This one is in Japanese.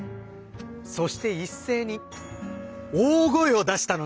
そして一斉に大声を出したのです。